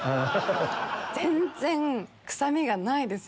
全然臭みがないです